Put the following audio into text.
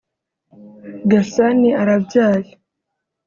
Gasani arabyaye